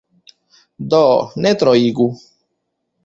Do, ne troigu.